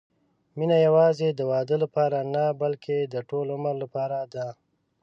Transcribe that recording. مینه یوازې د واده لپاره نه، بلکې د ټول عمر لپاره ده.